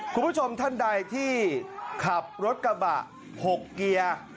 คุณผู้ชมท่านใดที่ขับรถกระบะ๖เกียร์